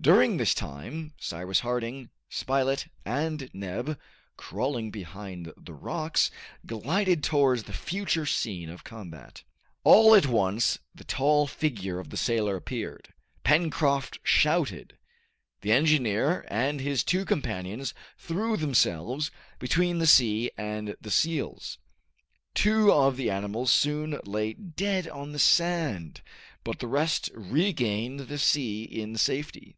During this time Cyrus Harding, Spilett, and Neb, crawling behind the rocks, glided towards the future scene of combat. All at once the tall figure of the sailor appeared. Pencroft shouted. The engineer and his two companions threw themselves between the sea and the seals. Two of the animals soon lay dead on the sand, but the rest regained the sea in safety.